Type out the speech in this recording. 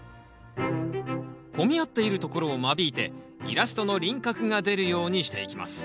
混み合っているところを間引いてイラストの輪郭が出るようにしていきます。